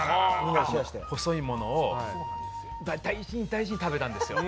細いものを、大事に大事に食べたんですよ。